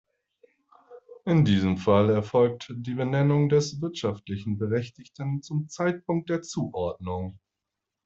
In diesem Fall erfolgt die Benennung des wirtschaftlichen Berechtigten zum Zeitpunkt der Zuordnung.